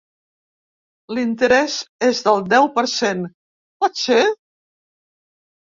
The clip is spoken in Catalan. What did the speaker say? L'interès és del deu per cent, pot ser?